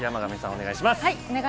お願いします。